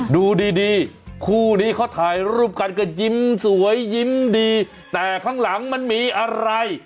ดูดีดีคู่นี้เขาถ่ายรูปกันก็ยิ้มสวยยิ้มดีแต่ข้างหลังมันมีอะไร